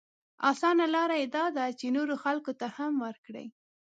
اسانه لاره يې دا ده چې نورو خلکو ته هم ورکړي.